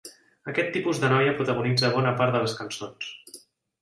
Aquest tipus de noia protagonitza bona part de les cançons.